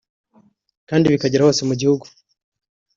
kandi bikagera hose mu gihugu